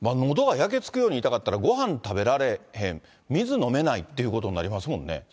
のどが焼けつくように痛かったら、ごはん食べられへん、水飲めないっていうことになりますもんね。